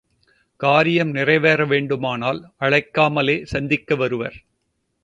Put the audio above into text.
காரியம் நிறைவேற வேண்டுமானால் அழைக்காமலே சந்திக்க வருவர்.